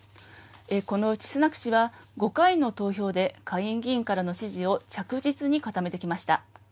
このうちスナク氏は、５回の投票で下院議員からの支持を着実に固めてきました。